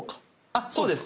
あそうです